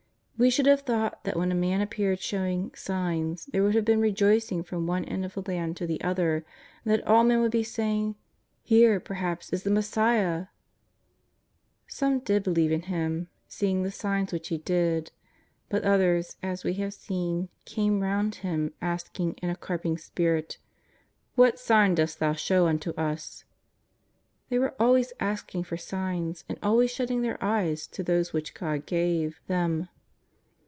We should have thought that when a Man appeared showing ^' signs " there would have been rejoicing from one end of the land to the other, and that all men would be saying :" Here, perhaps, is the Messiah !" Some did believe in Him " seeing the signs which He did." But others, as we have seen, came round Him asking in a carping spirit :" What sign dost Thou show unto us ?" They were always asking for signs and always shutting their eyes to those which God gave 150 JESUS OF NAZARETH. them.